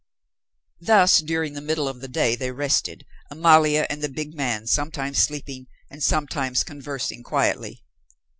Thus during the middle of the day they rested, Amalia and the big man sometimes sleeping and sometimes conversing quietly.